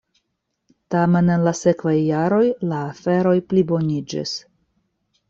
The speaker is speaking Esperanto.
Tamen en la sekvaj jaroj la aferoj pliboniĝis.